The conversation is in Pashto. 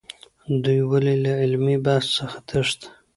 دوی ولې له علمي بحث څخه تښتي؟